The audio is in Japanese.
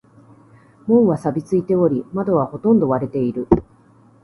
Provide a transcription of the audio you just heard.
門は錆びついており、窓はほとんど割れている。